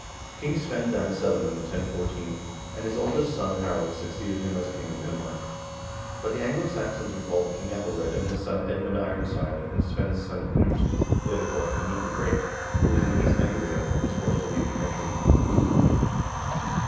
King Svein died suddenly in 1014, and his oldest son Harald succeeded him as king of Denmark. But the Anglo Saxons recalled King ^Ethelred and his son Edmund Ironside, and Svein's son Knut, 250 HISTORY OF THE NORWEGIAN PEOPLE later called Knut the Great, who was in East Anglia, was forced to leave the country.